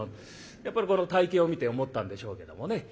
やっぱりこの体形を見て思ったんでしょうけどもね。